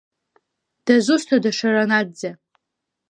Дызусҭада Шаранаӡе!